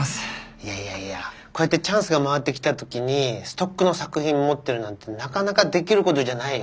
いやいやいやこうやってチャンスが回ってきた時にストックの作品持ってるなんてなかなかできることじゃないよ。